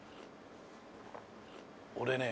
俺ね